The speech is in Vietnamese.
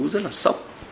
rất là sốc